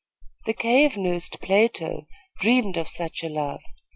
The cave nursed Plato dreamed of such a love.